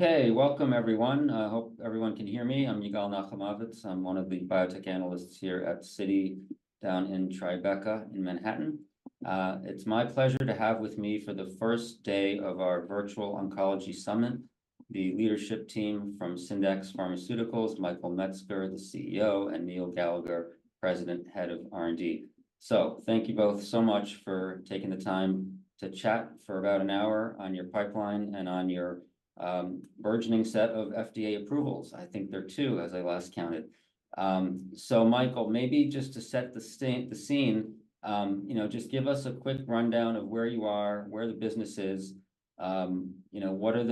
Okay, welcome, everyone. I hope everyone can hear me. I'm Yigal Nochomovitz. I'm one of the biotech analysts here at Citi down in Tribeca in Manhattan. It's my pleasure to have with me for the first day of our virtual oncology summit the leadership team from Syndax Pharmaceuticals, Michael Metzger, the CEO, and Neil Gallagher, President, Head of R&D. So thank you both so much for taking the time to chat for about an hour on your pipeline and on your burgeoning set of FDA approvals. I think there are two, as I last counted. So, Michael, maybe just to set the scene, you know, just give us a quick rundown of where you are, where the business is, you know, what are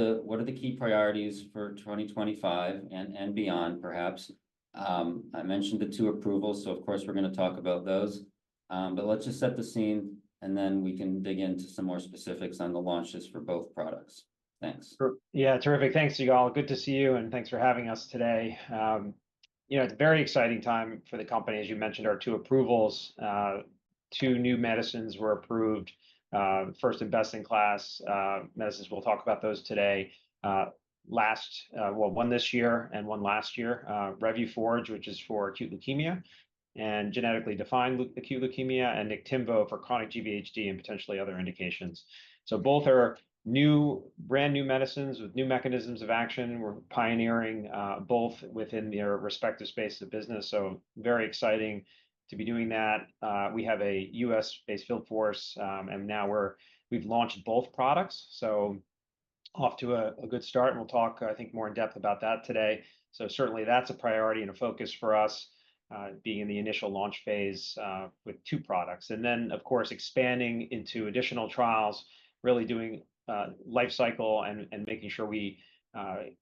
the key priorities for 2025 and beyond, perhaps. I mentioned the two approvals, so of course we're going to talk about those. But let's just set the scene, and then we can dig into some more specifics on the launches for both products. Thanks. Yeah, terrific. Thanks, Yigal. Good to see you, and thanks for having us today. You know, it's a very exciting time for the company. As you mentioned, our two approvals, two new medicines were approved, first in best-in-class medicines. We'll talk about those today. Last, well, one this year and one last year, Revuforj, which is for acute leukemia and genetically defined acute leukemia, and Niktimvo for chronic GVHD and potentially other indications. Both are new, brand new medicines with new mechanisms of action. We're pioneering both within their respective spaces of business, so very exciting to be doing that. We have a U.S.-based field force, and now we've launched both products. Off to a good start, and we'll talk, I think, more in depth about that today. Certainly that's a priority and a focus for us, being in the initial launch phase with two products. And then, of course, expanding into additional trials, really doing life cycle and making sure we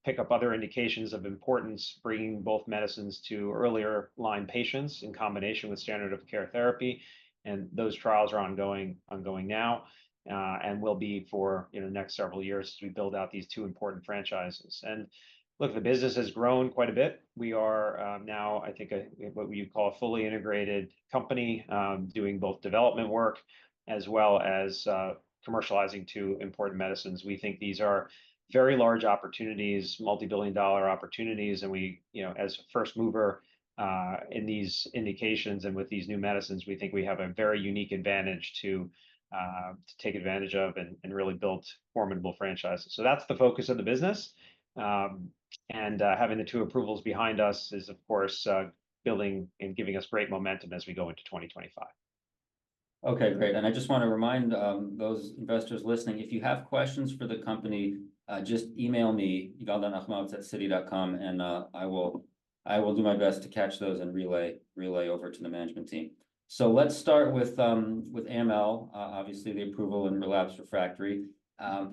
pick up other indications of importance, bringing both medicines to earlier line patients in combination with standard of care therapy. And those trials are ongoing now and will be for, you know, the next several years as we build out these two important franchises. And look, the business has grown quite a bit. We are now, I think, what you'd call a fully integrated company, doing both development work as well as commercializing two important medicines. We think these are very large opportunities, multibillion-dollar opportunities, and we, you know, as first mover in these indications and with these new medicines, we think we have a very unique advantage to take advantage of and really build formidable franchises. So that's the focus of the business. Having the two approvals behind us is, of course, building and giving us great momentum as we go into 2025. Okay, great. And I just want to remind those investors listening, if you have questions for the company, just email me, yigal.nochomovitz@citi.com, and I will do my best to catch those and relay over to the management team. So let's start with AML, obviously the approval and relapse refractory.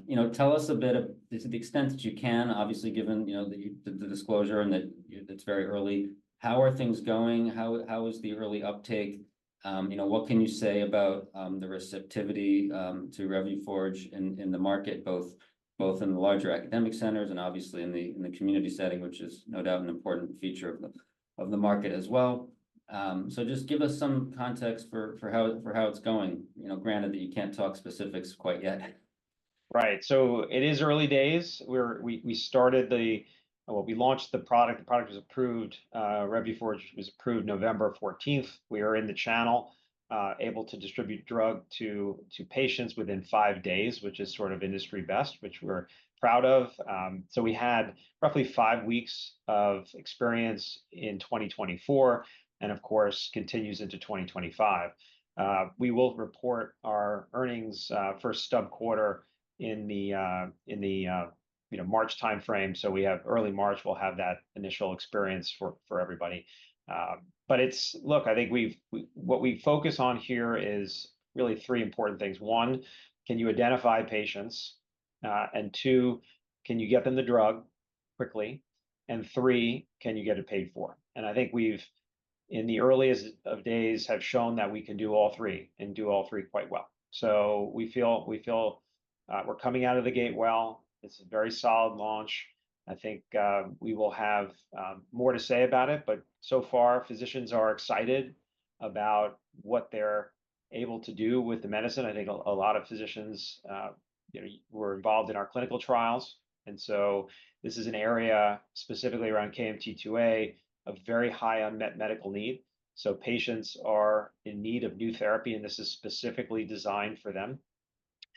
You know, tell us a bit of, to the extent that you can, obviously, given, you know, the disclosure and that it's very early, how are things going? How is the early uptake? You know, what can you say about the receptivity to Revuforj in the market, both in the larger academic centers and obviously in the community setting, which is no doubt an important feature of the market as well? So just give us some context for how it's going. You know, granted that you can't talk specifics quite yet. Right, so it is early days. We started the, well, we launched the product. The product was approved. Revuforj was approved November 14th. We are in the channel, able to distribute drug to patients within five days, which is sort of industry best, which we're proud of, so we had roughly five weeks of experience in 2024 and, of course, continues into 2025. We will report our earnings first stub quarter in the, you know, March timeframe, so we have early March, we'll have that initial experience for everybody, but it's, look, I think what we focus on here is really three important things. One, can you identify patients? And two, can you get them the drug quickly? And three, can you get it paid for? And I think we've, in the earliest of days, have shown that we can do all three and do all three quite well. So we feel we're coming out of the gate well. It's a very solid launch. I think we will have more to say about it, but so far, physicians are excited about what they're able to do with the medicine. I think a lot of physicians, you know, were involved in our clinical trials. And so this is an area specifically around KMT2A, a very high unmet medical need. So patients are in need of new therapy, and this is specifically designed for them.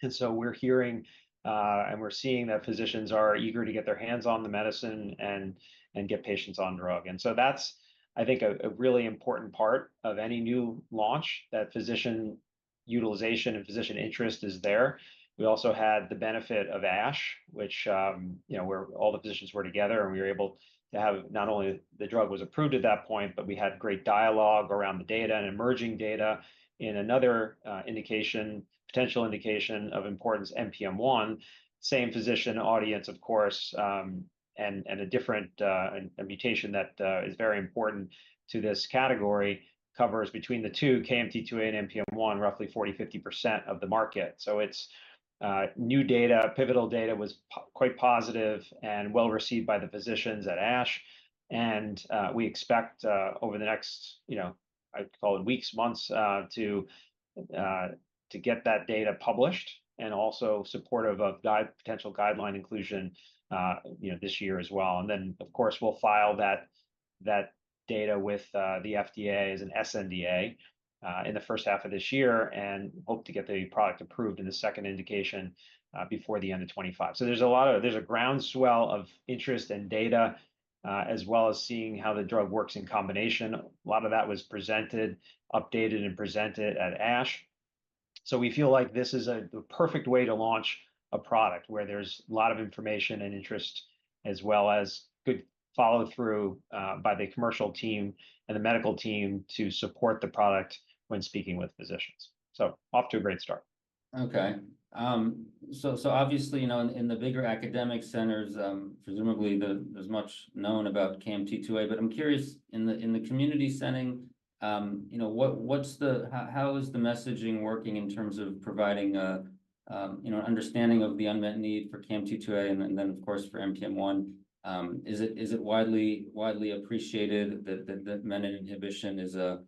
And so we're hearing and we're seeing that physicians are eager to get their hands on the medicine and get patients on drug. And so that's, I think, a really important part of any new launch, that physician utilization and physician interest is there. We also had the benefit of ASH, which, you know, where all the physicians were together and we were able to have not only the drug was approved at that point, but we had great dialogue around the data and emerging data in another indication, potential indication of importance, NPM1. Same physician audience, of course, and a different mutation that is very important to this category covers between the two, KMT2A and NPM1, roughly 40-50% of the market. So it's new data, pivotal data was quite positive and well received by the physicians at ASH. And we expect over the next, you know, I'd call it weeks, months to get that data published and also supportive of potential guideline inclusion, you know, this year as well. And then, of course, we'll file that data with the FDA as an sNDA in the first half of this year and hope to get the product approved in the second indication before the end of 2025. So there's a groundswell of interest and data as well as seeing how the drug works in combination. A lot of that was presented, updated, and presented at ASH. So we feel like this is the perfect way to launch a product where there's a lot of information and interest as well as good follow-through by the commercial team and the medical team to support the product when speaking with physicians. So off to a great start. Okay. So obviously, you know, in the bigger academic centers, presumably there's much known about KMT2A, but I'm curious in the community setting, you know, what's the, how is the messaging working in terms of providing, you know, an understanding of the unmet need for KMT2A and then, of course, for NPM1? Is it widely appreciated that menin inhibition is a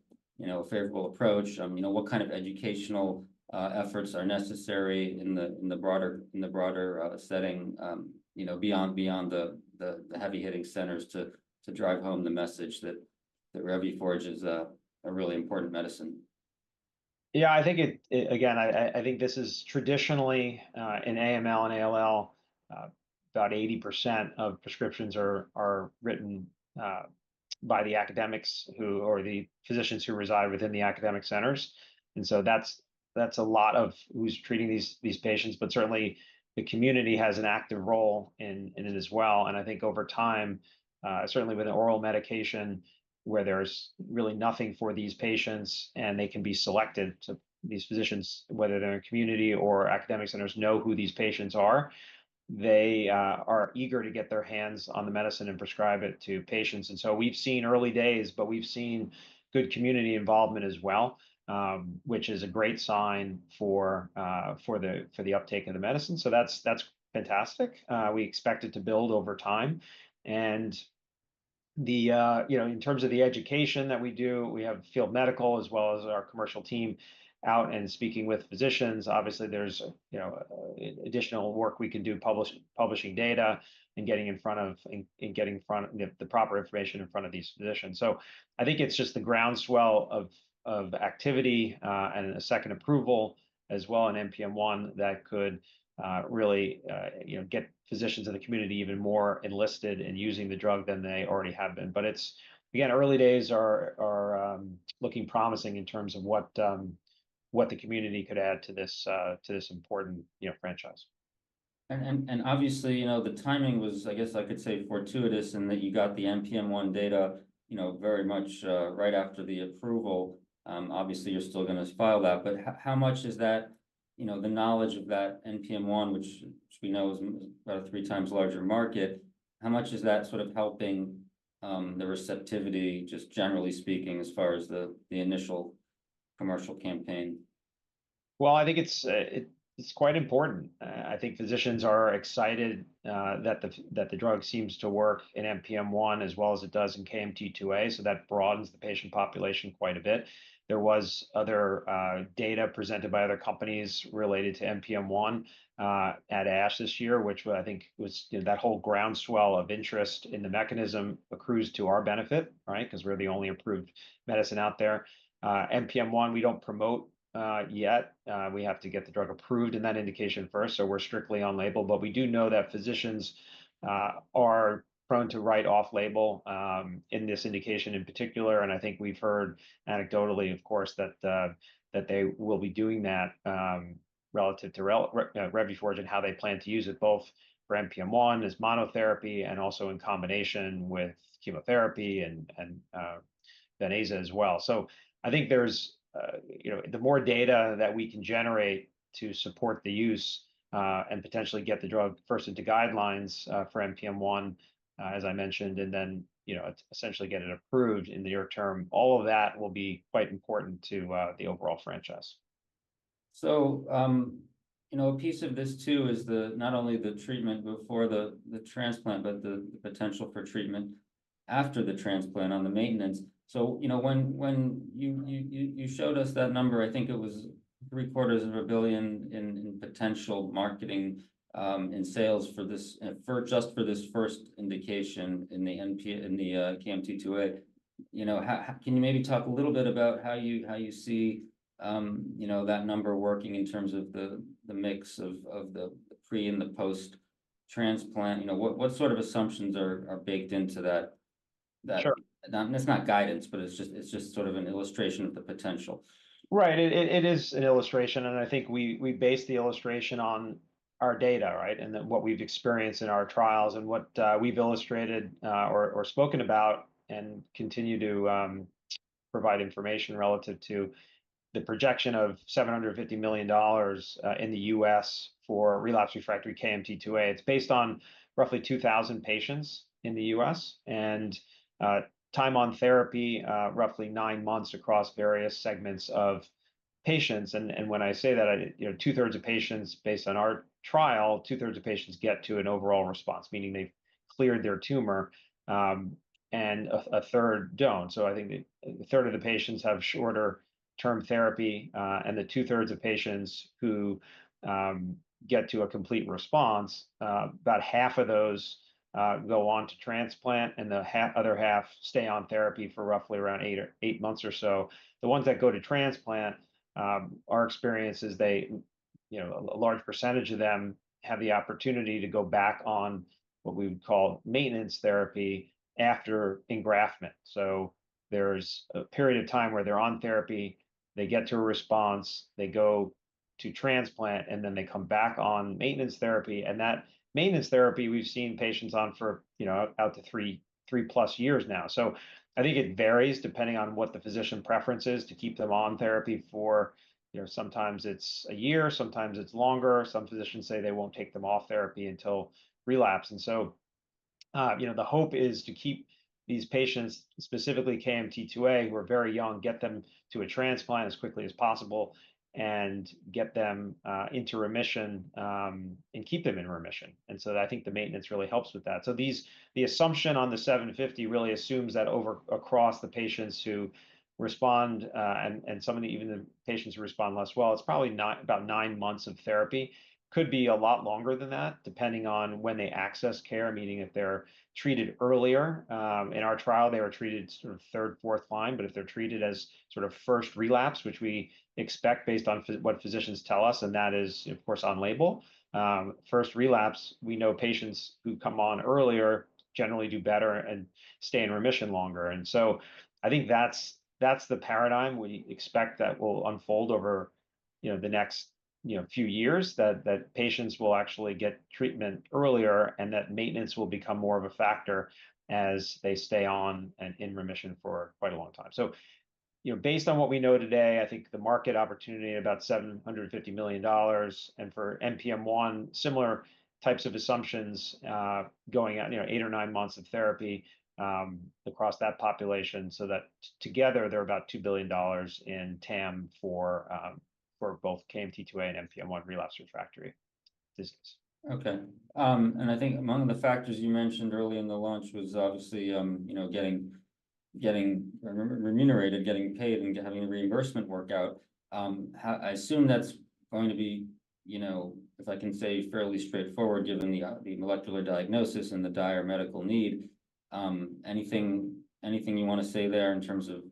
favorable approach? You know, what kind of educational efforts are necessary in the broader setting, you know, beyond the heavy-hitting centers to drive home the message that Revuforj is a really important medicine? Yeah, I think it, again, I think this is traditionally in AML and ALL, about 80% of prescriptions are written by the academics who or the physicians who reside within the academic centers. And so that's a lot of who's treating these patients, but certainly the community has an active role in it as well. And I think over time, certainly with an oral medication where there's really nothing for these patients and they can be selected to these physicians, whether they're in a community or academic centers know who these patients are, they are eager to get their hands on the medicine and prescribe it to patients. And so we've seen early days, but we've seen good community involvement as well, which is a great sign for the uptake of the medicine. So that's fantastic. We expect it to build over time. And the, you know, in terms of the education that we do, we have field medical as well as our commercial team out and speaking with physicians. Obviously, there's, you know, additional work we can do, publishing data and getting in front of the proper information in front of these physicians. So I think it's just the groundswell of activity and a second approval as well in NPM1 that could really, you know, get physicians in the community even more enlisted in using the drug than they already have been. But it's, again, early days are looking promising in terms of what the community could add to this important, you know, franchise. Obviously, you know, the timing was, I guess I could say fortuitous in that you got the NPM1 data, you know, very much right after the approval. Obviously, you're still going to file that. How much is that, you know, the knowledge of that NPM1, which we know is about a three times larger market, helping the receptivity, just generally speaking, as far as the initial commercial campaign? I think it's quite important. I think physicians are excited that the drug seems to work in NPM1 as well as it does in KMT2A. So that broadens the patient population quite a bit. There was other data presented by other companies related to NPM1 at ASH this year, which I think was, you know, that whole groundswell of interest in the mechanism accrues to our benefit, right? Because we're the only approved medicine out there. NPM1, we don't promote yet. We have to get the drug approved in that indication first. So we're strictly on label. But we do know that physicians are prone to write off label in this indication in particular. And I think we've heard anecdotally, of course, that they will be doing that relative to Revuforj and how they plan to use it both for NPM1 as monotherapy and also in combination with chemotherapy and venetoclax as well. So I think there's, you know, the more data that we can generate to support the use and potentially get the drug first into guidelines for NPM1, as I mentioned, and then, you know, essentially get it approved in the near term, all of that will be quite important to the overall franchise. So, you know, a piece of this too is not only the treatment before the transplant, but the potential for treatment after the transplant on the maintenance. So, you know, when you showed us that number, I think it was $750 million in potential marketing and sales for this, just for this first indication in the KMT2A. You know, can you maybe talk a little bit about how you see, you know, that number working in terms of the mix of the pre and the post-transplant? You know, what sort of assumptions are baked into that? Sure. It's not guidance, but it's just sort of an illustration of the potential. Right. It is an illustration. And I think we base the illustration on our data, right? And then what we've experienced in our trials and what we've illustrated or spoken about and continue to provide information relative to the projection of $750 million in the U.S. for relapse refractory KMT2A. It's based on roughly 2,000 patients in the U.S. and time on therapy, roughly nine months across various segments of patients. And when I say that, you know, two-thirds of patients based on our trial, two-thirds of patients get to an overall response, meaning they've cleared their tumor, and a third don't. So I think a third of the patients have shorter-term therapy. And the two-thirds of patients who get to a complete response, about half of those go on to transplant, and the other half stay on therapy for roughly around eight months or so. The ones that go to transplant, our experience is they, you know, a large percentage of them have the opportunity to go back on what we would call maintenance therapy after engraftment. So there's a period of time where they're on therapy, they get to a response, they go to transplant, and then they come back on maintenance therapy. And that maintenance therapy we've seen patients on for, you know, out to three plus years now. So I think it varies depending on what the physician preference is to keep them on therapy for, you know, sometimes it's a year, sometimes it's longer. Some physicians say they won't take them off therapy until relapse. And so, you know, the hope is to keep these patients, specifically KMT2A, who are very young, get them to a transplant as quickly as possible and get them into remission and keep them in remission. I think the maintenance really helps with that. The assumption on the 750 really assumes that across the patients who respond and some of even the patients who respond less well, it's probably not about nine months of therapy. Could be a lot longer than that, depending on when they access care, meaning if they're treated earlier. In our trial, they were treated sort of third, fourth line, but if they're treated as sort of first relapse, which we expect based on what physicians tell us, and that is, of course, on label, first relapse, we know patients who come on earlier generally do better and stay in remission longer. And so I think that's the paradigm we expect that will unfold over, you know, the next, you know, few years, that patients will actually get treatment earlier and that maintenance will become more of a factor as they stay on and in remission for quite a long time. So, you know, based on what we know today, I think the market opportunity at about $750 million. And for NPM1, similar types of assumptions going at, you know, eight or nine months of therapy across that population. So that together, they're about $2 billion in TAM for both KMT2A and NPM1 relapse refractory disease. Okay. And I think among the factors you mentioned early in the launch was obviously, you know, getting remunerated, getting paid, and having a reimbursement work out. I assume that's going to be, you know, if I can say fairly straightforward, given the molecular diagnosis and the dire medical need. Anything you want to say there in terms of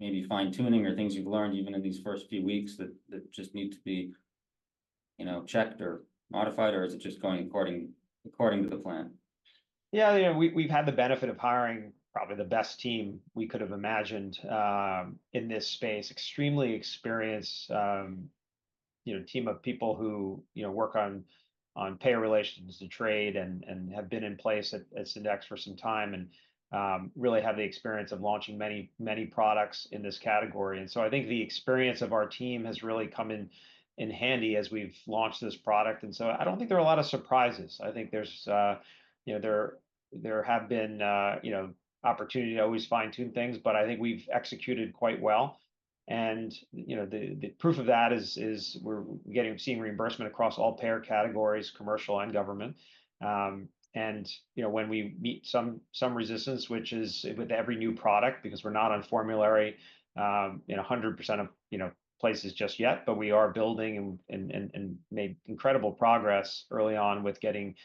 maybe fine-tuning or things you've learned even in these first few weeks that just need to be, you know, checked or modified, or is it just going according to the plan? Yeah, you know, we've had the benefit of hiring probably the best team we could have imagined in this space, extremely experienced, you know, team of people who, you know, work on payer relations to trade and have been in place at Syndax for some time and really have the experience of launching many, many products in this category. And so I think the experience of our team has really come in handy as we've launched this product. And so I don't think there are a lot of surprises. I think there have been, you know, opportunities to always fine-tune things, but I think we've executed quite well. And, you know, the proof of that is we're getting reimbursement across all payer categories, commercial and government. You know, when we meet some resistance, which is with every new product, because we're not on formulary in 100% of, you know, places just yet, but we are building and made incredible progress early on with getting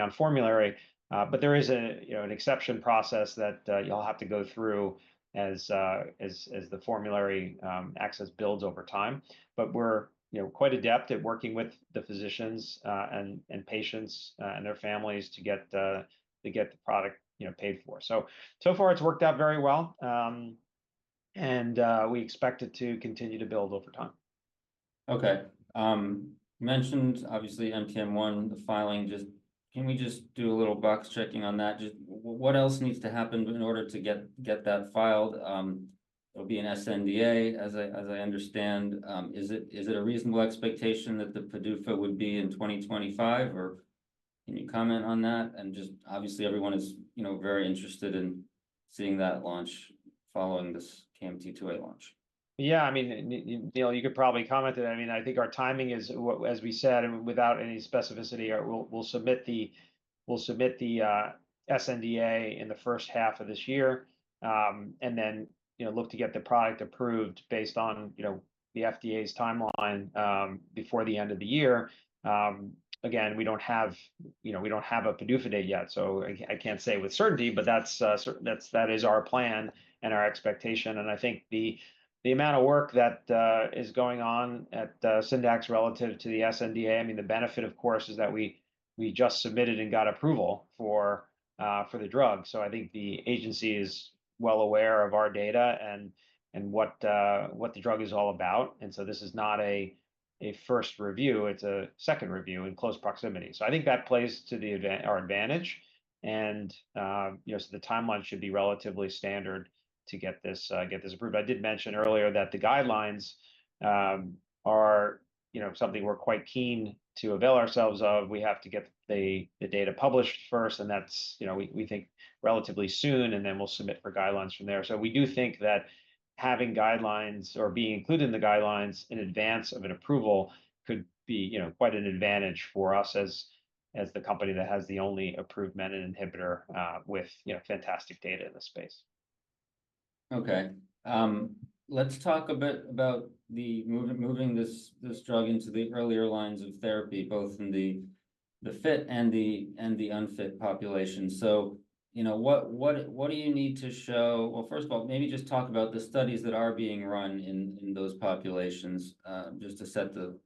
on formulary. But there is an exception process that you'll have to go through as the formulary access builds over time. But we're, you know, quite adept at working with the physicians and patients and their families to get the product, you know, paid for. So so far, it's worked out very well. We expect it to continue to build over time. Okay. You mentioned obviously NPM1, the filing. Just can we just do a little box checking on that? Just what else needs to happen in order to get that filed? It'll be an sNDA, as I understand. Is it a reasonable expectation that the PDUFA would be in 2025, or can you comment on that? And just obviously everyone is, you know, very interested in seeing that launch following this KMT2A launch. Yeah, I mean, Neil, you could probably comment on that. I mean, I think our timing is, as we said, and without any specificity, we'll submit the sNDA in the first half of this year. And then, you know, look to get the product approved based on, you know, the FDA's timeline before the end of the year. Again, we don't have, you know, we don't have a PDUFA date yet. So I can't say with certainty, but that is our plan and our expectation. And I think the amount of work that is going on at Syndax relative to the sNDA, I mean, the benefit, of course, is that we just submitted and got approval for the drug. So I think the agency is well aware of our data and what the drug is all about. And so this is not a first review. It's a second review in close proximity. So I think that plays to our advantage. And, you know, so the timeline should be relatively standard to get this approved. I did mention earlier that the guidelines are, you know, something we're quite keen to avail ourselves of. We have to get the data published first. And that's, you know, we think relatively soon, and then we'll submit for guidelines from there. So we do think that having guidelines or being included in the guidelines in advance of an approval could be, you know, quite an advantage for us as the company that has the only approved menin inhibitor with, you know, fantastic data in this space. Okay. Let's talk a bit about moving this drug into the earlier lines of therapy, both in the fit and the unfit population. So, you know, what do you need to show? Well, first of all, maybe just talk about the studies that are being run in those populations just to set the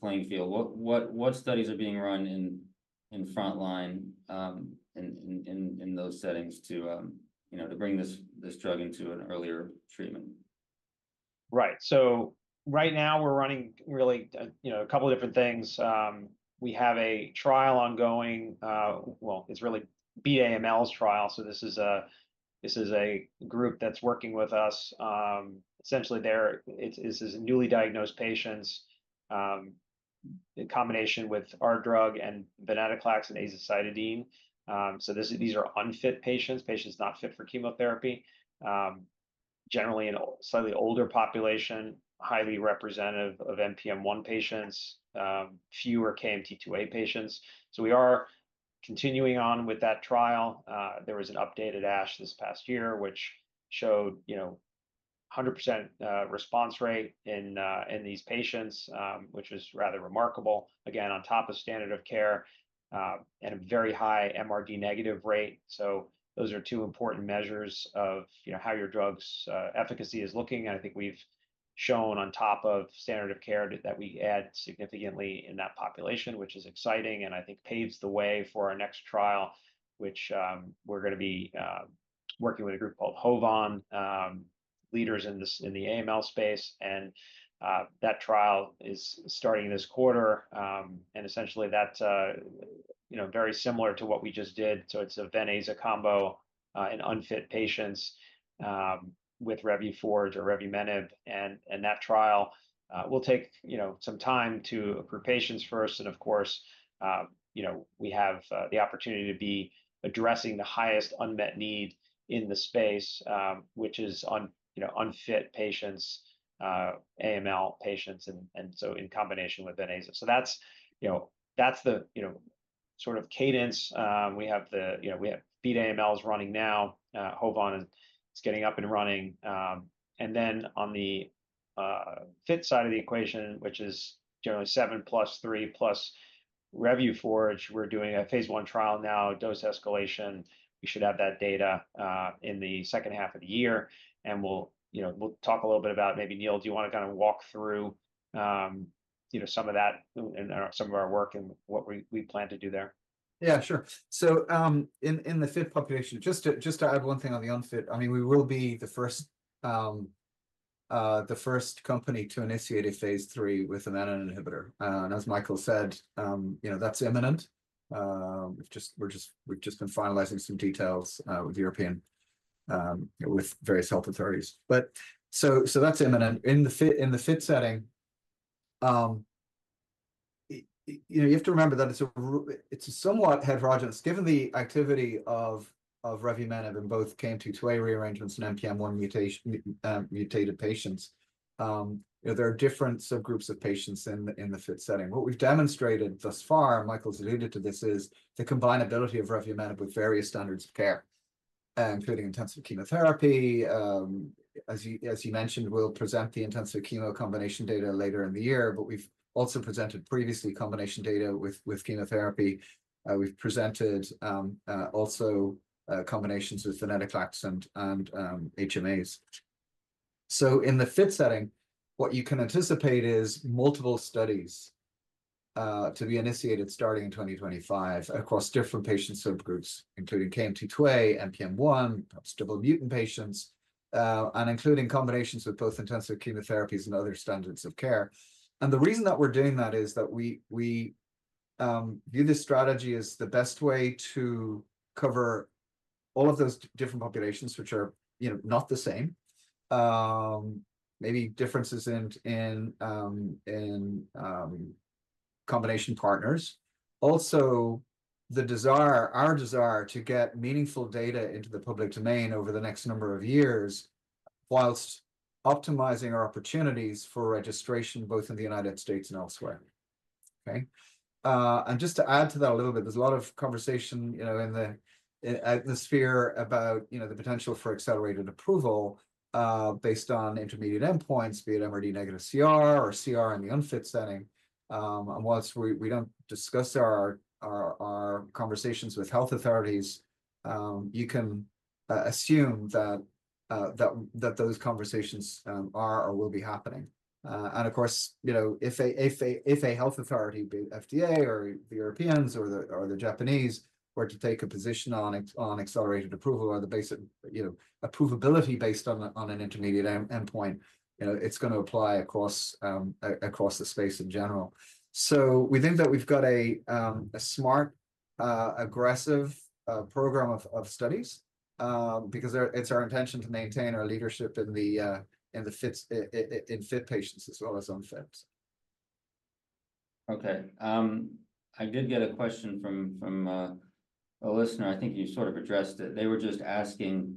playing field. What studies are being run in front line in those settings to, you know, to bring this drug into an earlier treatment? Right. So right now we're running really, you know, a couple of different things. We have a trial ongoing. Well, it's really Beat AML's trial. So this is a group that's working with us. Essentially, this is newly diagnosed patients in combination with our drug and venetoclax and azacitidine. So these are unfit patients, patients not fit for chemotherapy, generally in a slightly older population, highly representative of NPM1 patients, fewer KMT2A patients. So we are continuing on with that trial. There was an update at ASH this past year, which showed, you know, 100% response rate in these patients, which was rather remarkable, again, on top of standard of care and a very high MRD negative rate. So those are two important measures of, you know, how your drug's efficacy is looking. And I think we've shown on top of standard of care that we add significantly in that population, which is exciting. And I think paves the way for our next trial, which we're going to be working with a group called HOVON, leaders in the AML space. And that trial is starting this quarter. And essentially that, you know, very similar to what we just did. So it's a venetoclax combo in unfit patients with Revuforj or revumenib. And that trial will take, you know, some time to approve patients first. And of course, you know, we have the opportunity to be addressing the highest unmet need in the space, which is on, you know, unfit patients, AML patients, and so in combination with venetoclax. So that's, you know, that's the, you know, sort of cadence. We have the, you know, we have Beat AML running now, HOVON, and it's getting up and running. And then on the fit side of the equation, which is generally seven plus three plus Revuforj, we're doing a phase I trial now, dose escalation. We should have that data in the second half of the year. And we'll, you know, we'll talk a little bit about maybe, Neil, do you want to kind of walk through, you know, some of that and some of our work and what we plan to do there? Yeah, sure, so in the fit population, just to add one thing on the unfit, I mean, we will be the first company to initiate a phase III with a menin inhibitor. And as Michael said, you know, that's imminent. We've just been finalizing some details with European, with various health authorities, but so that's imminent. In the fit setting, you know, you have to remember that it's somewhat heterogeneous. Given the activity of revumenib in both KMT2A rearrangements and NPM1 mutated patients, you know, there are different subgroups of patients in the fit setting. What we've demonstrated thus far, and Michael's alluded to this, is the combinability of revumenib with various standards of care, including intensive chemotherapy. As you mentioned, we'll present the intensive chemo combination data later in the year, but we've also presented previously combination data with chemotherapy. We've presented also combinations with venetoclax and HMAs. In the fit setting, what you can anticipate is multiple studies to be initiated starting in 2025 across different patient subgroups, including KMT2A, NPM1, perhaps double mutant patients, and including combinations with both intensive chemotherapies and other standards of care. The reason that we're doing that is that we view this strategy as the best way to cover all of those different populations, which are, you know, not the same, maybe differences in combination partners. Also, the desire, our desire to get meaningful data into the public domain over the next number of years while optimizing our opportunities for registration both in the United States and elsewhere. Okay. And just to add to that a little bit, there's a lot of conversation, you know, in the atmosphere about, you know, the potential for accelerated approval based on intermediate endpoints, be it MRD negative CR or CR in the unfit setting. And while we don't discuss our conversations with health authorities, you can assume that those conversations are or will be happening. And of course, you know, if a health authority, be it FDA or the Europeans or the Japanese, were to take a position on accelerated approval or the basic, you know, approvability based on an intermediate endpoint, you know, it's going to apply across the space in general. So we think that we've got a smart, aggressive program of studies because it's our intention to maintain our leadership in the fit patients as well as unfits. Okay. I did get a question from a listener. I think you sort of addressed it. They were just asking,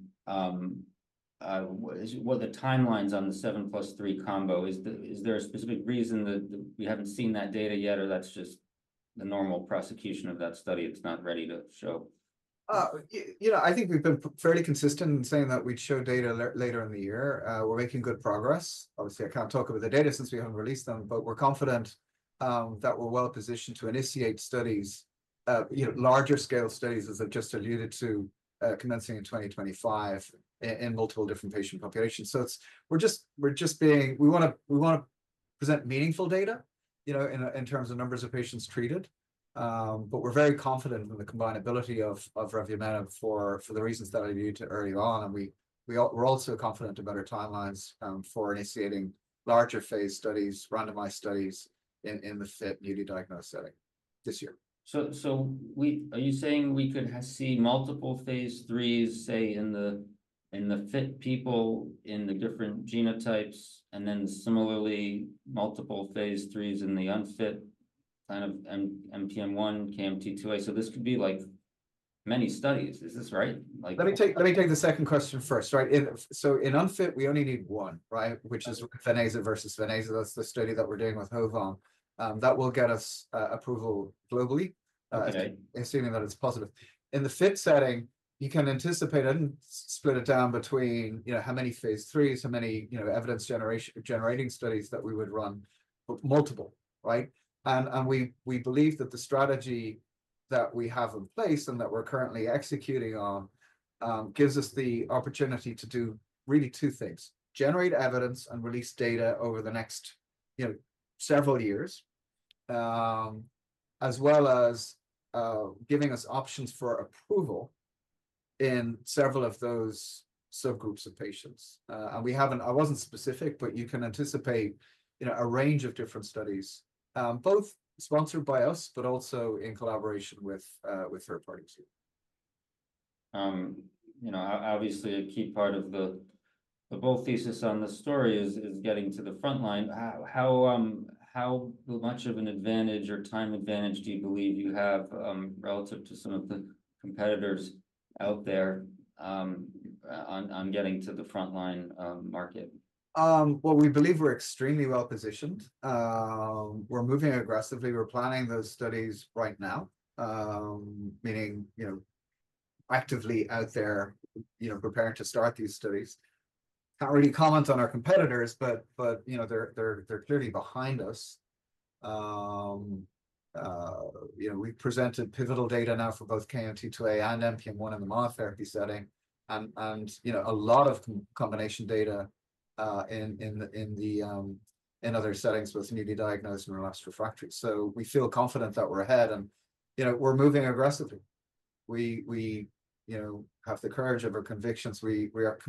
what are the timelines on the seven plus three combo? Is there a specific reason that we haven't seen that data yet, or that's just the normal prosecution of that study? It's not ready to show. You know, I think we've been fairly consistent in saying that we'd show data later in the year. We're making good progress. Obviously, I can't talk about the data since we haven't released them, but we're confident that we're well positioned to initiate studies, you know, larger scale studies as I've just alluded to commencing in 2025 in multiple different patient populations. So we're just being. We want to present meaningful data, you know, in terms of numbers of patients treated. But we're very confident in the combinability of Revuforj for the reasons that I alluded to early on. We're also confident about our timelines for initiating larger phase studies, randomized studies in the fit newly diagnosed setting this year. So are you saying we could see multiple phase IIIs, say, in the fit people in the different genotypes, and then similarly multiple phase IIIs in the unfit kind of NPM1, KMT2A? So this could be like many studies. Is this right? Let me take the second question first, right? So in unfit, we only need one, right? Which is venetoclax versus venetoclax. That's the study that we're doing with HOVON. That will get us approval globally, assuming that it's positive. In the fit setting, you can anticipate and split it down between, you know, how many phase IIIs, how many, you know, evidence generating studies that we would run, but multiple, right? And we believe that the strategy that we have in place and that we're currently executing on gives us the opportunity to do really two things: generate evidence and release data over the next, you know, several years, as well as giving us options for approval in several of those subgroups of patients. We haven't. I wasn't specific, but you can anticipate, you know, a range of different studies, both sponsored by us, but also in collaboration with third parties. You know, obviously a key part of the bold thesis on the story is getting to the front line. How much of an advantage or time advantage do you believe you have relative to some of the competitors out there on getting to the front line market? We believe we're extremely well positioned. We're moving aggressively. We're planning those studies right now, meaning, you know, actively out there, you know, preparing to start these studies. Can't really comment on our competitors, but, you know, they're clearly behind us. You know, we presented pivotal data now for both KMT2A and NPM1 in the monotherapy setting and, you know, a lot of combination data in other settings with newly diagnosed and relapsed refractory so we feel confident that we're ahead and, you know, we're moving aggressively. We, you know, have the courage of our convictions. We are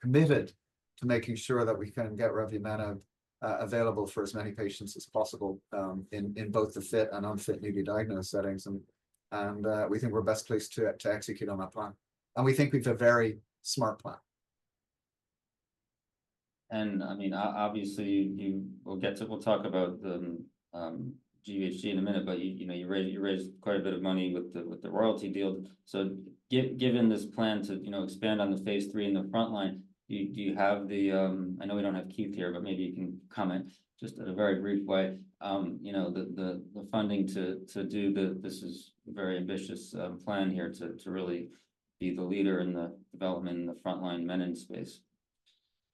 committed to making sure that we can get revumenib available for as many patients as possible in both the fit and unfit newly diagnosed settings and we think we're best placed to execute on that plan and we think we've got a very smart plan. I mean, obviously, we'll talk about the GVHD in a minute, but you know, you raised quite a bit of money with the royalty deal. So given this plan to, you know, expand on the phase III in the frontline, do you have the, I know we don't have Keith here, but maybe you can comment just in a very brief way, you know, the funding to do this is a very ambitious plan here to really be the leader in the development in the frontline menin space.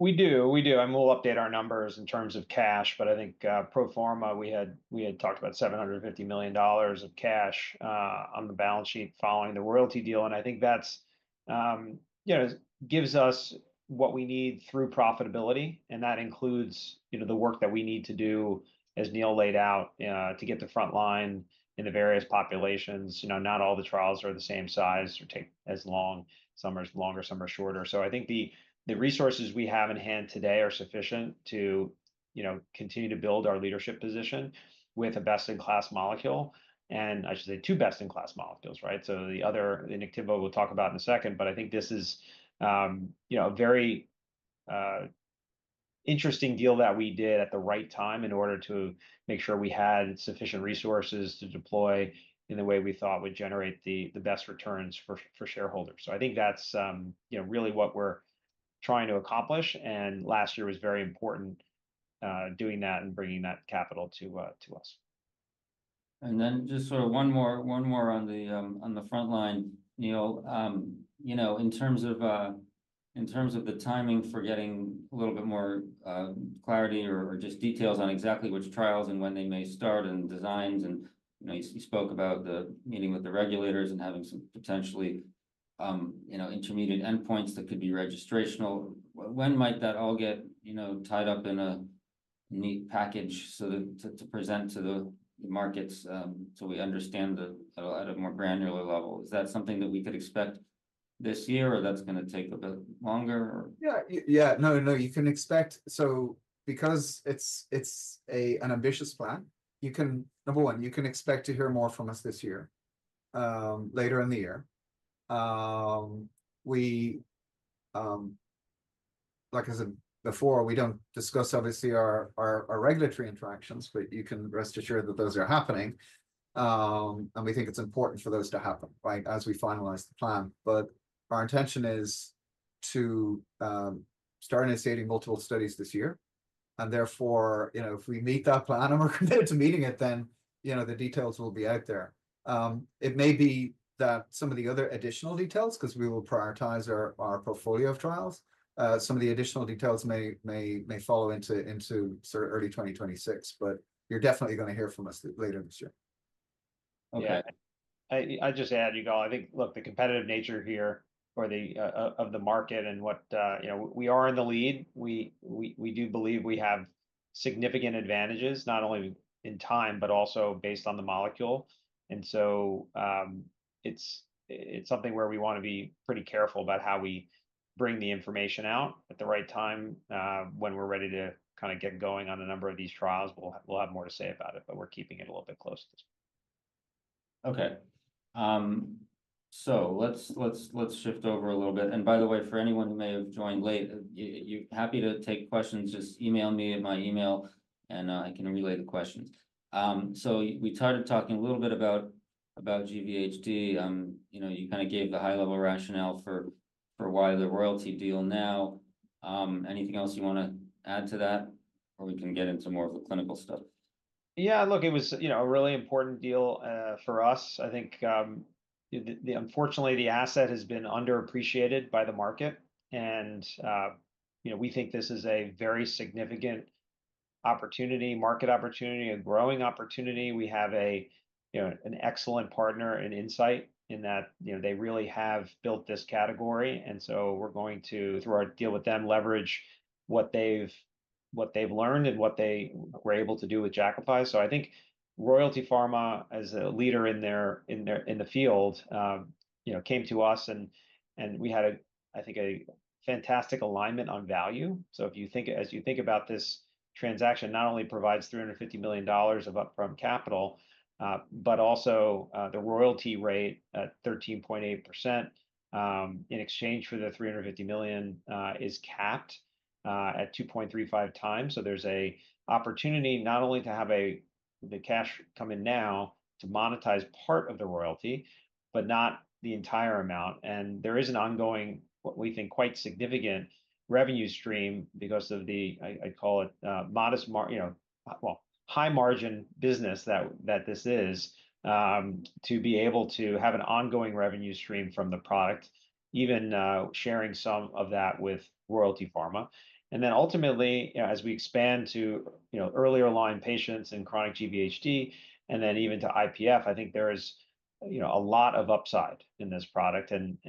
We do. We do. And we'll update our numbers in terms of cash, but I think pro forma, we had talked about $750 million of cash on the balance sheet following the royalty deal. And I think that's, you know, gives us what we need through profitability. And that includes, you know, the work that we need to do, as Neil laid out, to get the front line in the various populations. You know, not all the trials are the same size or take as long. Some are longer, some are shorter. So I think the resources we have in hand today are sufficient to, you know, continue to build our leadership position with a best-in-class molecule. And I should say two best-in-class molecules, right? So the other, the Niktimvo, we'll talk about in a second, but I think this is, you know, a very interesting deal that we did at the right time in order to make sure we had sufficient resources to deploy in the way we thought would generate the best returns for shareholders, so I think that's, you know, really what we're trying to accomplish, and last year was very important doing that and bringing that capital to us. And then just sort of one more on the front line, Neil, you know, in terms of the timing for getting a little bit more clarity or just details on exactly which trials and when they may start and designs. And you spoke about the meeting with the regulators and having some potentially, you know, intermediate endpoints that could be registrational. When might that all get, you know, tied up in a neat package to present to the markets so we understand the at a more granular level? Is that something that we could expect this year or that's going to take a bit longer? Yeah, yeah. No, no, you can expect, so because it's an ambitious plan, you can, number one, you can expect to hear more from us this year, later in the year. Like I said before, we don't discuss obviously our regulatory interactions, but you can rest assured that those are happening, and we think it's important for those to happen, right, as we finalize the plan, but our intention is to start initiating multiple studies this year, and therefore, you know, if we meet that plan and we're committed to meeting it, then, you know, the details will be out there. It may be that some of the other additional details, because we will prioritize our portfolio of trials, some of the additional details may follow into sort of early 2026, but you're definitely going to hear from us later this year. Okay. I just add, you guys. I think, look, the competitive nature here of the market and what, you know, we are in the lead. We do believe we have significant advantages, not only in time, but also based on the molecule, and so it's something where we want to be pretty careful about how we bring the information out at the right time. When we're ready to kind of get going on a number of these trials, we'll have more to say about it, but we're keeping it a little bit close. Okay, so let's shift over a little bit, and by the way, for anyone who may have joined late, you're happy to take questions. Just email me at my email and I can relay the questions, so we started talking a little bit about GVHD. You know, you kind of gave the high-level rationale for why the royalty deal now. Anything else you want to add to that or we can get into more of the clinical stuff? Yeah, look, it was, you know, a really important deal for us. I think, unfortunately, the asset has been underappreciated by the market. And, you know, we think this is a very significant opportunity, market opportunity, a growing opportunity. We have a, you know, an excellent partner in Incyte in that, you know, they really have built this category. And so we're going to, through our deal with them, leverage what they've learned and what they were able to do with Jakafi. So I think Royalty Pharma, as a leader in the field, you know, came to us and we had, I think, a fantastic alignment on value. So if you think about this transaction, not only provides $350 million of upfront capital, but also the royalty rate at 13.8% in exchange for the $350 million is capped at 2.35 times. There's an opportunity not only to have the cash come in now to monetize part of the royalty, but not the entire amount. There is an ongoing, what we think, quite significant revenue stream because of the, I call it, modest, you know, well, high-margin business that this is, to be able to have an ongoing revenue stream from the product, even sharing some of that with Royalty Pharma. Ultimately, as we expand to, you know, earlier line patients and chronic GVHD, and then even to IPF, I think there is, you know, a lot of upside in this product. You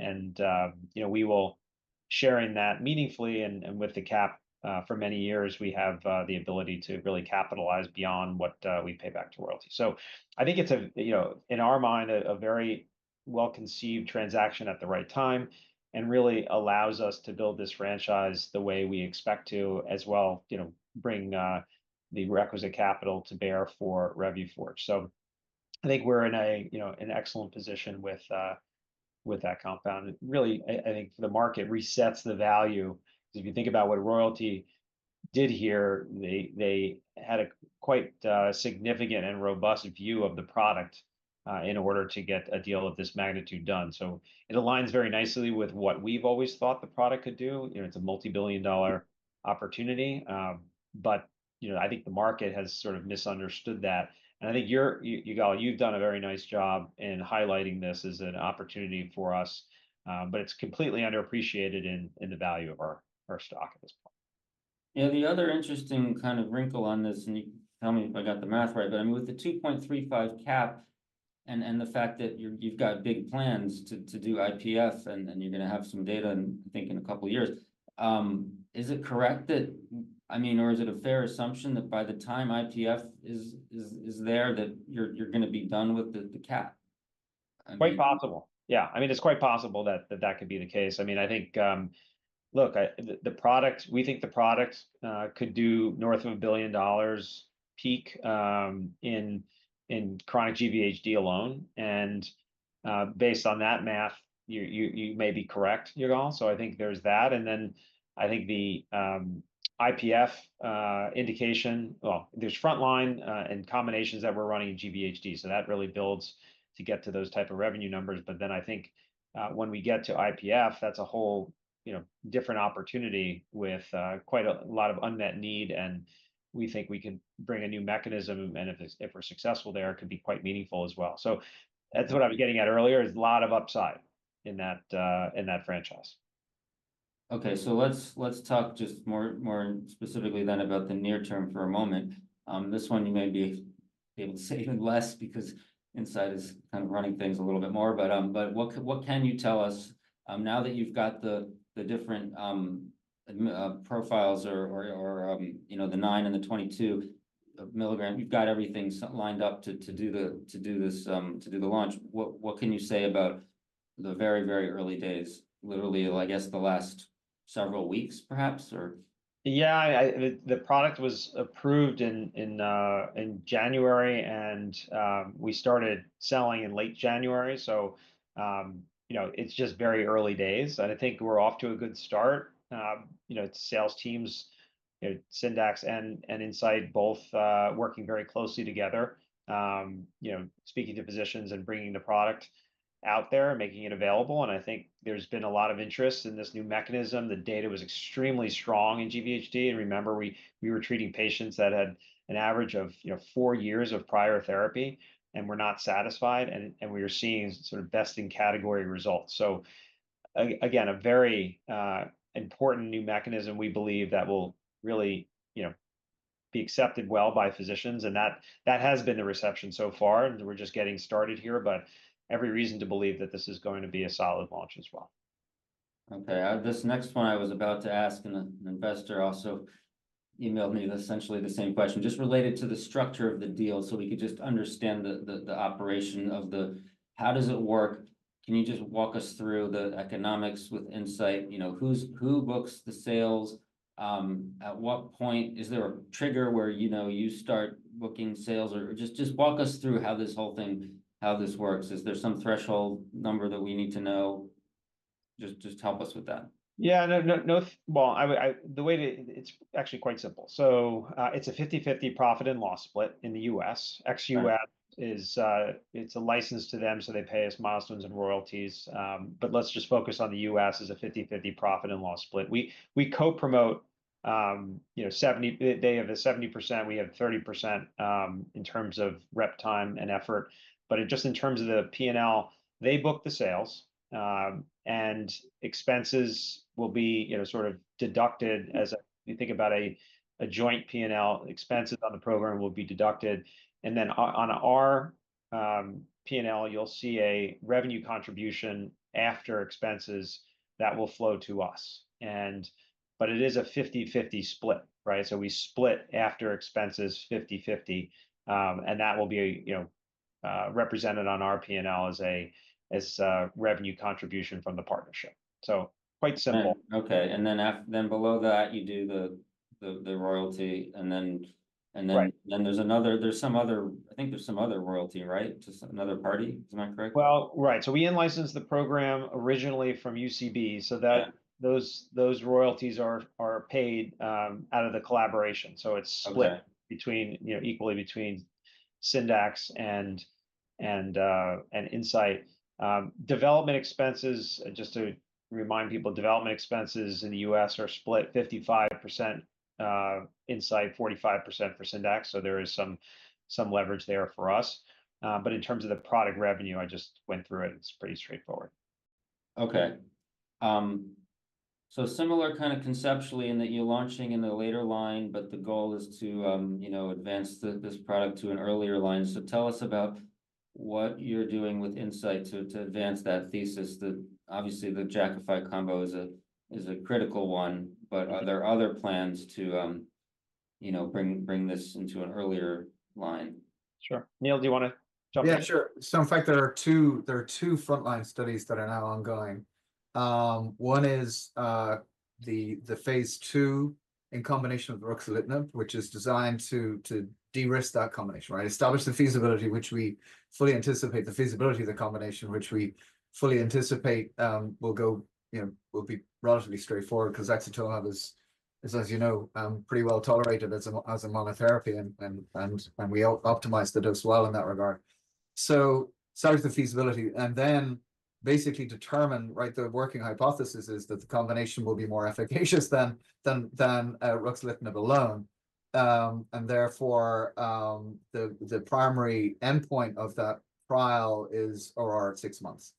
know, we will share in that meaningfully and with the cap for many years. We have the ability to really capitalize beyond what we pay back to royalty. So I think it's, you know, in our mind, a very well-conceived transaction at the right time and really allows us to build this franchise the way we expect to as well, you know, bring the requisite capital to bear for Revuforj. So I think we're in a, you know, an excellent position with that compound. Really, I think the market resets the value. Because if you think about what Royalty did here, they had a quite significant and robust view of the product in order to get a deal of this magnitude done. So it aligns very nicely with what we've always thought the product could do. You know, it's a multi-billion-dollar opportunity. But, you know, I think the market has sort of misunderstood that. I think you've done a very nice job in highlighting this as an opportunity for us, but it's completely underappreciated in the value of our stock at this point. The other interesting kind of wrinkle on this, and you can tell me if I got the math right, but I mean, with the 2.35 cap and the fact that you've got big plans to do IPF and you're going to have some data, I think, in a couple of years, is it correct that, I mean, or is it a fair assumption that by the time IPF is there, that you're going to be done with the cap? Quite possible. Yeah. I mean, it's quite possible that that could be the case. I mean, I think, look, the product, we think the product could do north of $1 billion peak in chronic GVHD alone. And based on that math, you may be correct, Yigal. So I think there's that. And then I think the IPF indication. Well, there's front line and combinations that we're running in GVHD. So that really builds to get to those type of revenue numbers. But then I think when we get to IPF, that's a whole, you know, different opportunity with quite a lot of unmet need. And we think we can bring a new mechanism. And if we're successful there, it could be quite meaningful as well. So that's what I was getting at earlier, is a lot of upside in that franchise. Okay. So let's talk just more specifically then about the near term for a moment. This one, you may be able to say even less because Incyte is kind of running things a little bit more. But what can you tell us now that you've got the different profiles or, you know, the nine and the 22 milligram, you've got everything lined up to do this, to do the launch. What can you say about the very, very early days, literally, I guess the last several weeks, perhaps, or? Yeah, the product was approved in January, and we started selling in late January. So, you know, it's just very early days. And I think we're off to a good start. You know, it's sales teams, you know, Syndax and Incyte, both working very closely together, you know, speaking to physicians and bringing the product out there, making it available. And I think there's been a lot of interest in this new mechanism. The data was extremely strong in GVHD. And remember, we were treating patients that had an average of, you know, four years of prior therapy, and we're not satisfied. And we were seeing sort of best-in-category results. So again, a very important new mechanism, we believe, that will really, you know, be accepted well by physicians. And that has been the reception so far. We're just getting started here, but every reason to believe that this is going to be a solid launch as well. Okay. This next one, I was about to ask an investor also emailed me essentially the same question, just related to the structure of the deal so we could just understand the operation of the, how does it work? Can you just walk us through the economics with Incyte? You know, who books the sales? At what point is there a trigger where, you know, you start booking sales? Or just walk us through how this whole thing, how this works. Is there some threshold number that we need to know? Just help us with that. Yeah, no, no. Well, the way that it's actually quite simple. So it's a 50/50 profit and loss split in the US. ex-US, it's a license to them, so they pay us milestones and royalties. But let's just focus on the US as a 50/50 profit and loss split. We co-promote, you know, they have a 70%, we have 30% in terms of rep time and effort. But just in terms of the P&L, they book the sales. And expenses will be, you know, sort of deducted as you think about a joint P&L, expenses on the program will be deducted. And then on our P&L, you'll see a revenue contribution after expenses that will flow to us. And but it is a 50/50 split, right? So we split after expenses 50/50. And that will be, you know, represented on our P&L as a revenue contribution from the partnership. So quite simple. Okay. And then below that, you do the royalty. And then there's another, there's some other, I think there's some other royalty, right? Just another party, isn't that correct? Right. We licensed the program originally from UCB, so those royalties are paid out of the collaboration, so it's split between, you know, equally between Syndax and Incyte. Development expenses, just to remind people, development expenses in the U.S. are split 55% Incyte 45% for Syndax, so there is some leverage there for us, but in terms of the product revenue, I just went through it. It's pretty straightforward. Okay. So similar kind of conceptually in that you're launching in the later line, but the goal is to, you know, advance this product to an earlier line. So tell us about what you're doing with Incyte to advance that thesis. Obviously, the Jakafi combo is a critical one, but are there other plans to, you know, bring this into an earlier line? Sure. Neil, do you want to jump in? Yeah, sure. So in fact, there are two frontline studies that are now ongoing. One is the phase II in combination with ruxolitinib, which is designed to de-risk that combination, right? Establish the feasibility, which we fully anticipate will go, you know, will be relatively straightforward because axatilimab is, as you know, pretty well tolerated as a monotherapy. And we optimize the dose well in that regard. So establish the feasibility. And then basically determine, right, the working hypothesis is that the combination will be more efficacious than ruxolitinib alone. And therefore, the primary endpoint of that trial is, or are six months.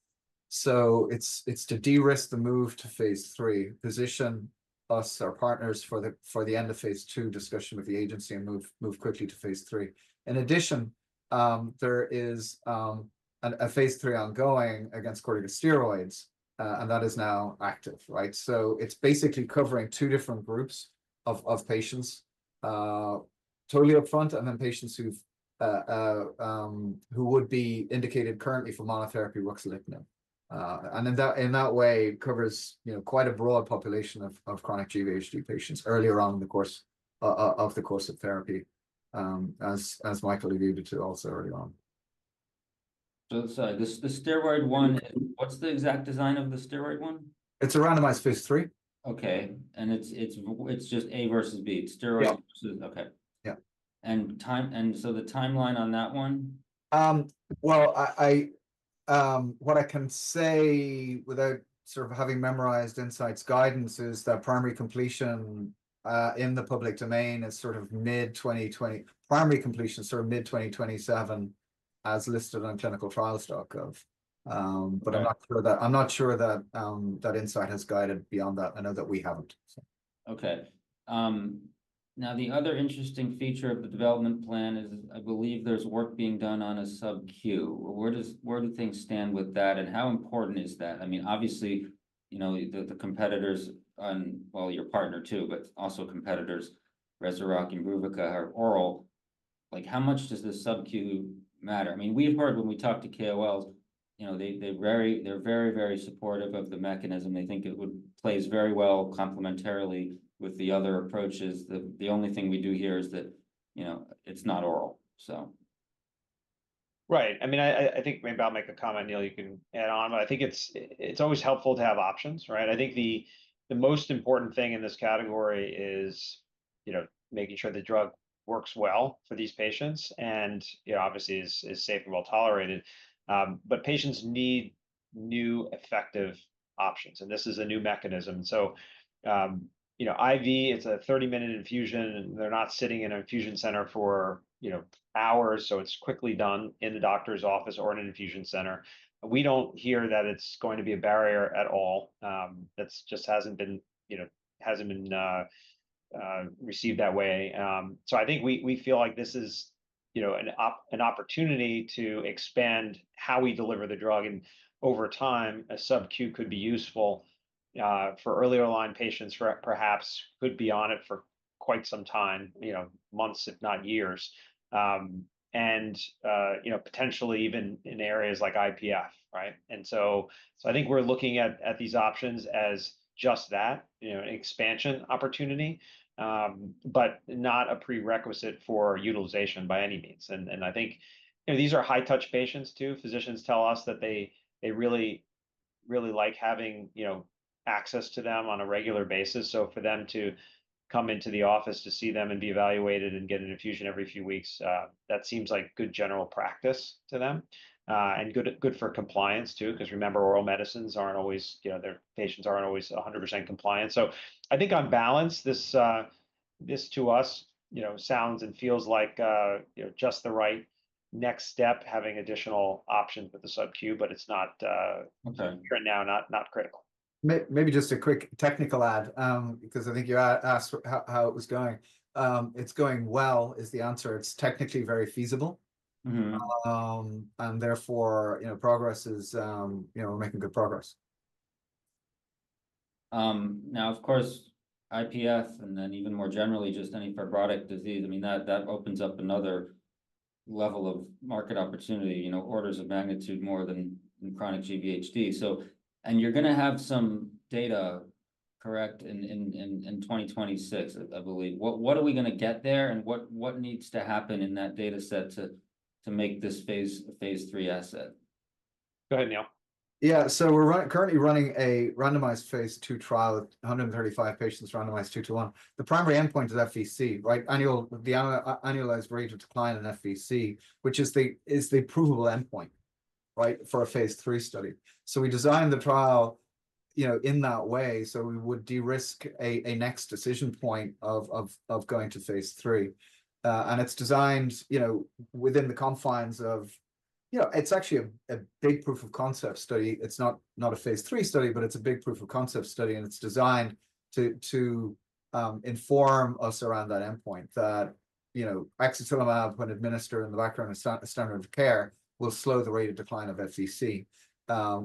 So it's to de-risk the move to phase III, position us, our partners for the end of phase II discussion with the agency and move quickly to phase III. In addition, there is a phase III ongoing against corticosteroids, and that is now active, right? So it's basically covering two different groups of patients, totally upfront, and then patients who would be indicated currently for monotherapy ruxolitinib. And in that way, it covers, you know, quite a broad population of chronic GVHD patients earlier on in the course of therapy, as Michael alluded to also early on. So the steroid one, what's the exact design of the steroid one? It's a randomized phase III. Okay. And it's just A versus B, steroid versus, okay. Yeah. And so the timeline on that one? What I can say without sort of having memorized Incyte's guidance is that primary completion in the public domain is sort of mid-2020, primary completion sort of mid-2027 as listed on clinicaltrials.gov. I'm not sure that Incyte has guided beyond that. I know that we haven't. Okay. Now, the other interesting feature of the development plan is, I believe there's work being done on a sub-Q. Where do things stand with that? And how important is that? I mean, obviously, you know, the competitors, well, your partner too, but also competitors, Rezurock, Imbruvica, or oral, like how much does the sub-Q matter? I mean, we've heard when we talk to KOLs, you know, they're very, very supportive of the mechanism. They think it plays very well complementarily with the other approaches. The only thing we do here is that, you know, it's not oral, so. Right. I mean, I think maybe I'll make a comment, Neil, you can add on. But I think it's always helpful to have options, right? I think the most important thing in this category is, you know, making sure the drug works well for these patients and, you know, obviously is safe and well tolerated. But patients need new effective options. And this is a new mechanism. So, you know, IV, it's a 30-minute infusion. They're not sitting in an infusion center for, you know, hours. So it's quickly done in the doctor's office or in an infusion center. We don't hear that it's going to be a barrier at all. That just hasn't been, you know, hasn't been received that way. So I think we feel like this is, you know, an opportunity to expand how we deliver the drug. And over time, a sub-Q could be useful for earlier line patients, perhaps could be on it for quite some time, you know, months, if not years. And, you know, potentially even in areas like IPF, right? And so I think we're looking at these options as just that, you know, an expansion opportunity, but not a prerequisite for utilization by any means. And I think, you know, these are high-touch patients too. Physicians tell us that they really, really like having, you know, access to them on a regular basis. So for them to come into the office to see them and be evaluated and get an infusion every few weeks, that seems like good general practice to them. And good for compliance too, because remember, oral medicines aren't always, you know, their patients aren't always 100% compliant. So I think on balance, this to us, you know, sounds and feels like, you know, just the right next step, having additional options with the sub-Q, but it's not here and now, not critical. Maybe just a quick technical add, because I think you asked how it was going. It's going well is the answer. It's technically very feasible, and therefore, you know, progress is, you know, we're making good progress. Now, of course, IPF and then even more generally, just any fibrotic disease, I mean, that opens up another level of market opportunity, you know, orders of magnitude more than chronic GVHD. So, and you're going to have some data, correct, in 2026, I believe. What are we going to get there and what needs to happen in that data set to make this phase III asset? Go ahead, Neil. Yeah. So we're currently running a randomized phase II trial with 135 patients randomized two to one. The primary endpoint is FVC, right? The annualized rate of decline in FVC, which is the approvable endpoint, right, for a phase III study. So we designed the trial, you know, in that way so we would de-risk a next decision point of going to phase III. And it's designed, you know, within the confines of, you know, it's actually a big proof of concept study. It's not a phase III study, but it's a big proof of concept study. And it's designed to inform us around that endpoint that, you know, axatilimab, when administered in the background of standard of care, will slow the rate of decline of FVC,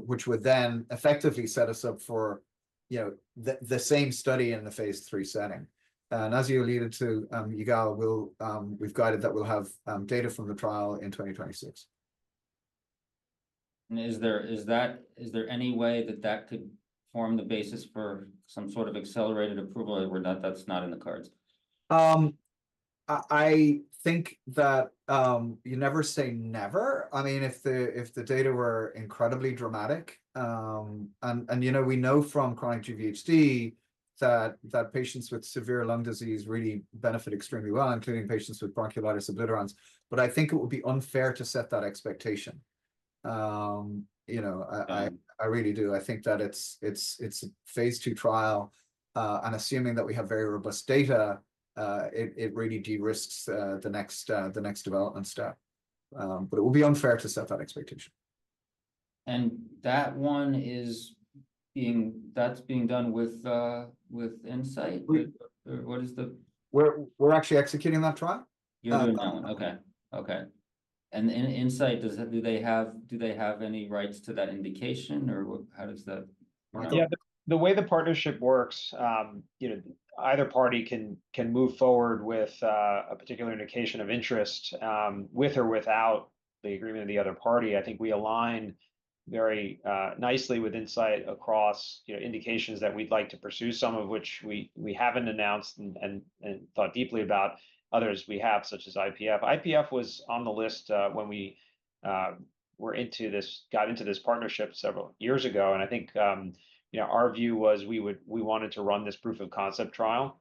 which would then effectively set us up for, you know, the same study in the phase III setting. As you alluded to, Yigal, we've guided that we'll have data from the trial in 2026. Is there any way that that could form the basis for some sort of accelerated approval that's not in the cards? I think that you never say never. I mean, if the data were incredibly dramatic, and you know, we know from chronic GVHD that patients with severe lung disease really benefit extremely well, including patients with bronchiolitis obliterans, but I think it would be unfair to set that expectation. You know, I really do. I think that it's a phase II trial, and assuming that we have very robust data, it really de-risks the next development step, but it would be unfair to set that expectation. That one is being done with Incyte? Or what is the? We're actually executing that trial. You're doing that one. Okay. Okay. And Incyte, do they have any rights to that indication or how does that? The way the partnership works, you know, either party can move forward with a particular indication of interest with or without the agreement of the other party. I think we align very nicely with Incyte across indications that we'd like to pursue, some of which we haven't announced and thought deeply about. Others we have, such as IPF. IPF was on the list when we got into this partnership several years ago, and I think, you know, our view was we wanted to run this proof of concept trial.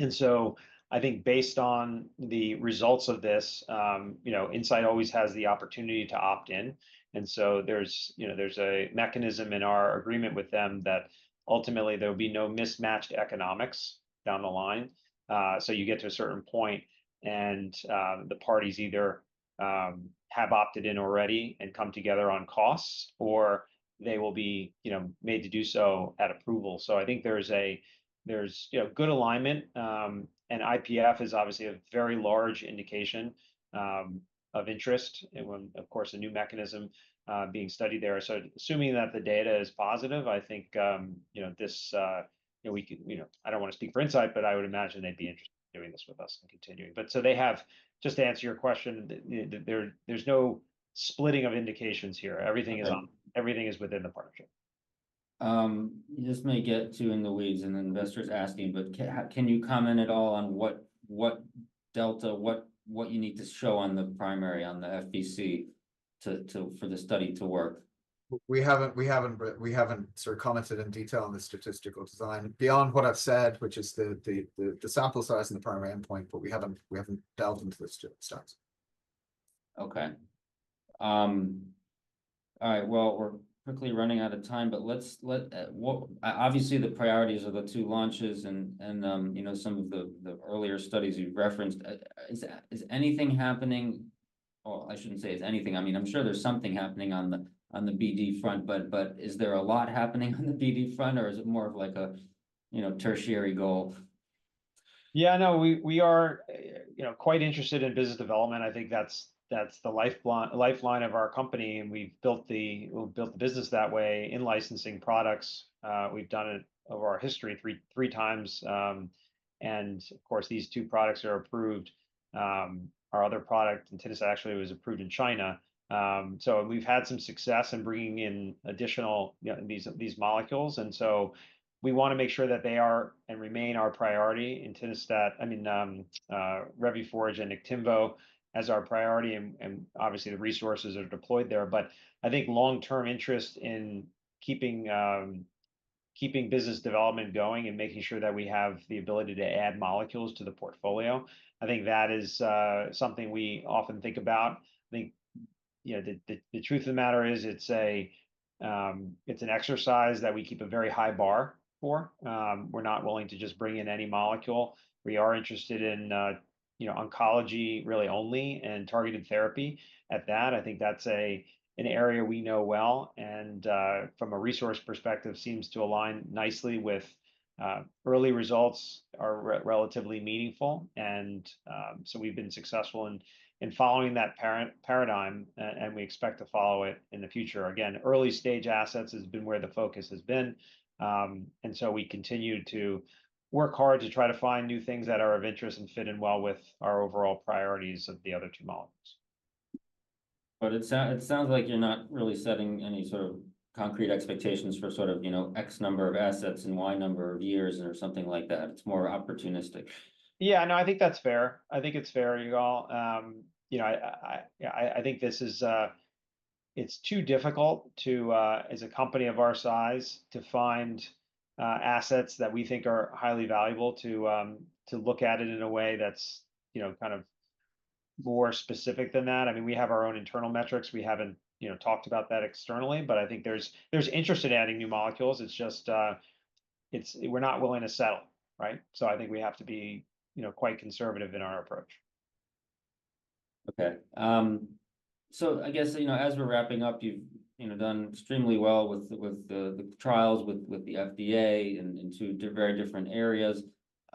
And so I think based on the results of this, you know, Incyte always has the opportunity to opt in. And so there's, you know, there's a mechanism in our agreement with them that ultimately there will be no mismatched economics down the line. So you get to a certain point and the parties either have opted in already and come together on costs or they will be, you know, made to do so at approval. So I think there's, you know, good alignment. And IPF is obviously a very large indication of interest and, of course, a new mechanism being studied there. So assuming that the data is positive, I think, you know, this, you know, I don't want to speak for Incyte, but I would imagine they'd be interested in doing this with us and continuing. But so they have, just to answer your question, there's no splitting of indications here. Everything is within the partnership. You just may get too in the weeds and investors asking, but can you comment at all on what delta, what you need to show on the primary on the FVC for the study to work? We haven't sort of commented in detail on the statistical design beyond what I've said, which is the sample size and the primary endpoint, but we haven't delved into the statistical studies. Okay. All right. Well, we're quickly running out of time, but let's, obviously the priorities are the two launches and, you know, some of the earlier studies you've referenced. Is anything happening, or I shouldn't say is anything, I mean, I'm sure there's something happening on the BD front, but is there a lot happening on the BD front or is it more of like a, you know, tertiary goal? Yeah, no, we are, you know, quite interested in business development. I think that's the lifeline of our company. And we've built the business that way in licensing products. We've done it over our history three times. And of course, these two products are approved. Our other product, entinostat, actually was approved in China. So we've had some success in bringing in additional these molecules. And so we want to make sure that they are and remain our priority, entinostat, I mean, Revuforj and Niktimvo as our priority. And obviously the resources are deployed there. But I think long-term interest in keeping business development going and making sure that we have the ability to add molecules to the portfolio. I think that is something we often think about. I think, you know, the truth of the matter is it's an exercise that we keep a very high bar for. We're not willing to just bring in any molecule. We are interested in, you know, oncology really only and targeted therapy at that. I think that's an area we know well, and from a resource perspective, seems to align nicely with early results are relatively meaningful. And so we've been successful in following that paradigm and we expect to follow it in the future. Again, early stage assets has been where the focus has been, and so we continue to work hard to try to find new things that are of interest and fit in well with our overall priorities of the other two molecules. But it sounds like you're not really setting any sort of concrete expectations for sort of, you know, X number of assets and Y number of years or something like that. It's more opportunistic. Yeah, no, I think that's fair. I think it's fair, Yigal. You know, I think this is, it's too difficult to, as a company of our size, to find assets that we think are highly valuable to look at it in a way that's, you know, kind of more specific than that. I mean, we have our own internal metrics. We haven't, you know, talked about that externally, but I think there's interest in adding new molecules. It's just, we're not willing to settle, right? So I think we have to be, you know, quite conservative in our approach. Okay. So I guess, you know, as we're wrapping up, you've, you know, done extremely well with the trials with the FDA into very different areas.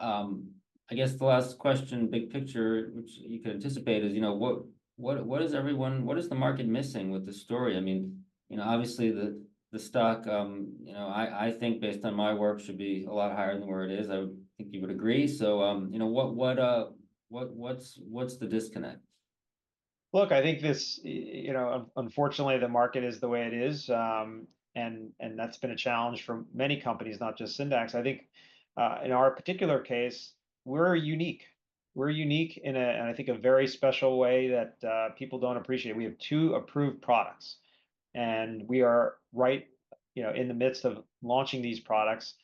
I guess the last question, big picture, which you can anticipate is, you know, what is everyone, what is the market missing with the story? I mean, you know, obviously the stock, you know, I think based on my work should be a lot higher than where it is. I think you would agree. So, you know, what's the disconnect? Look, I think this, you know, unfortunately the market is the way it is. And that's been a challenge for many companies, not just Syndax. I think in our particular case, we're unique. We're unique in a, and I think a very special way that people don't appreciate. We have two approved products. And we are right, you know, in the midst of launching these products.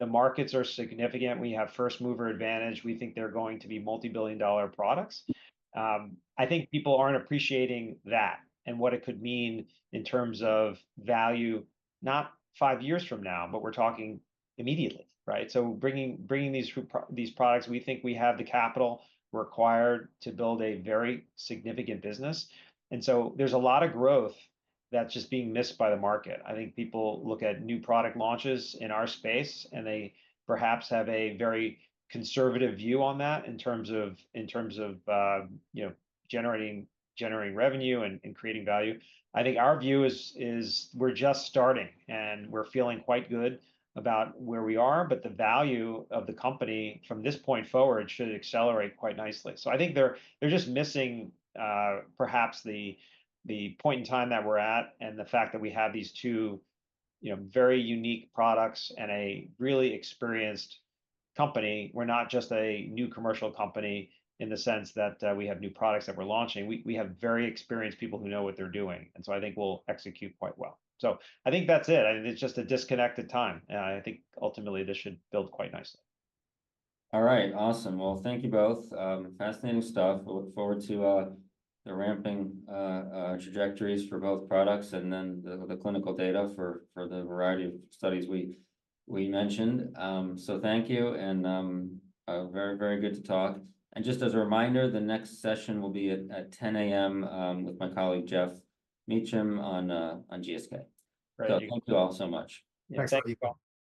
The markets are significant. We have first-mover advantage. We think they're going to be multi-billion-dollar products. I think people aren't appreciating that and what it could mean in terms of value, not five years from now, but we're talking immediately, right? So bringing these products, we think we have the capital required to build a very significant business. And so there's a lot of growth that's just being missed by the market. I think people look at new product launches in our space and they perhaps have a very conservative view on that in terms of, you know, generating revenue and creating value. I think our view is we're just starting and we're feeling quite good about where we are, but the value of the company from this point forward should accelerate quite nicely. So I think they're just missing perhaps the point in time that we're at and the fact that we have these two, you know, very unique products and a really experienced company. We're not just a new commercial company in the sense that we have new products that we're launching. We have very experienced people who know what they're doing. And so I think we'll execute quite well. So I think that's it. I mean, it's just a disconnected time. I think ultimately this should build quite nicely. All right. Awesome. Well, thank you both. Fascinating stuff. We look forward to the ramping trajectories for both products and then the clinical data for the variety of studies we mentioned. So thank you and very, very good to talk. And just as a reminder, the next session will be at 10:00 A.M. with my colleague Geoff Meacham on GSK. So thank you all so much. Thanks, everyone.